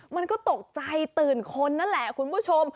มันก็ตกใจตื่นคนนั่นแหละคุณผู้ชม